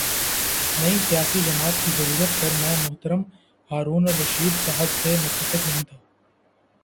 نئی سیاسی جماعت کی ضرورت پر میں محترم ہارون الرشید صاحب سے متفق نہیں تھا۔